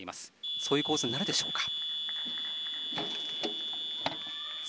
そういう構図になるでしょうか。